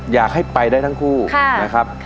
อยากให้ไปได้ทั้งคู่นะครับ